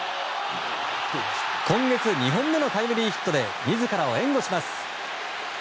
今月２本目のタイムリーヒットで自らを援護します。